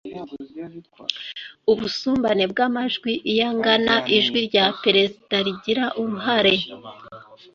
ubusumbane bw amajwi Iyo angana ijwi rya Perezida rigira uruhare